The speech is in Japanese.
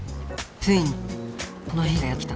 ついにこの日がやって来た。